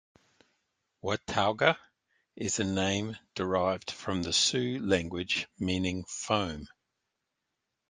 Watauga is a name derived from the Sioux language meaning "foam".